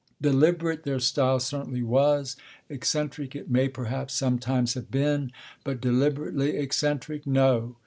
Deliberate their style certainly was; eccentric it may, perhaps, sometimes have been; but deliberately eccentric, no.